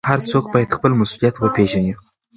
هر څوک باید خپل مسوولیت وپېژني.